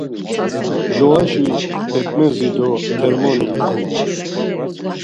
Lovaşi p̌et̆mezi do termoni ikoman.